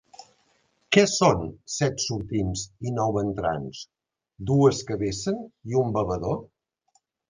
Què són set sortints i nou entrants, dues que vessen i un bevedor?